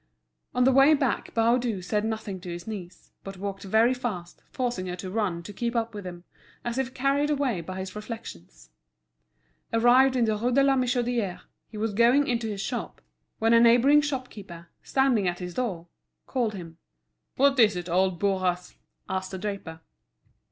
On the way back Baudu said nothing to his niece, but walked very fast, forcing her to run to keep up with him, as if carried away by his reflections. Arrived in the Rue de la Michodière, he was going into his shop, when a neighbouring shopkeeper, standing at his door, called him. Denise stopped and waited. "What is it, old Bourras?" asked the draper.